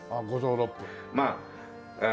まあ。